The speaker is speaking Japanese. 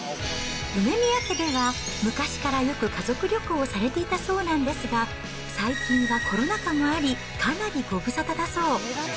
梅宮家では、昔からよく、家族旅行をされていたそうなんですが、最近はコロナ禍もあり、かなりご無沙汰だそう。